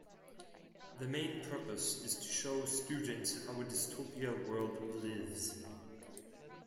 The main purpose is to show students how a dystopia world lives.